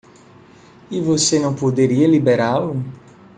E você não poderia liberá-lo?